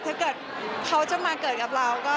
คุณนี้หวานจังเลยอะค่ะ